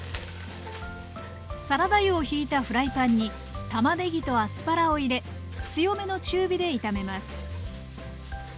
サラダ油をひいたフライパンにたまねぎとアスパラを入れ強めの中火で炒めます